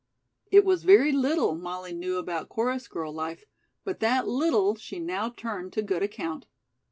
It was very little Molly knew about chorus girl life, but that little she now turned to good account.